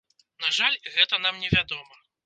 На жаль, гэта нам невядома.